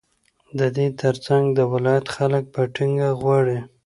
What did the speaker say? ددې ترڅنگ د ولايت خلك په ټينگه غواړي،